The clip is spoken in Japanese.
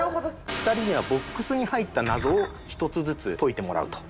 ２人にはボックスに入った謎を１つずつ解いてもらうと。